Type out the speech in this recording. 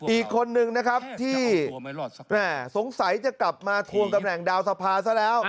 อีกคนนึงนะครับที่แม่สงสัยจะกลับมาทวงตำแหน่งดาวสภาซะแล้ว